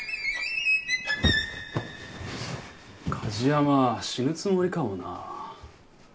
梶山死ぬつもりかもな。